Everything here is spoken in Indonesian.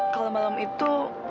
kalau malem itu